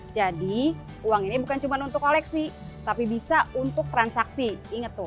jadi uang ini bukan cuma untuk koleksi tapi bisa untuk transaksi inget tuh